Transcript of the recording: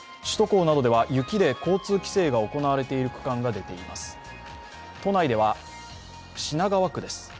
首都高などでは雪で交通規制が行われている区間が出ています。